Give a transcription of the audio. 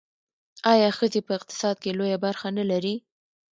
آیا ښځې په اقتصاد کې لویه برخه نلري؟